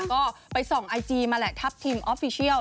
ก็ไปส่องไอจีมาแหละทัพทีมออฟฟิเชียล